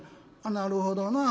「なるほどな。